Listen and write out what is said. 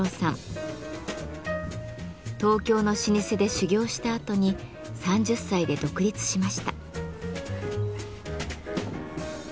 東京の老舗で修業したあとに３０歳で独立しました。